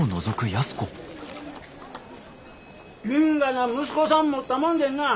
因果な息子さん持ったもんでんなあ。